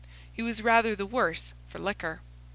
He was rather the worse for liquor.